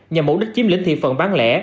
nhằm mục đích chiếm lĩnh thị phần bán lẻ